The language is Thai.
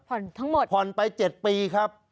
ทั้งหมดผ่อนไป๗ปีครับ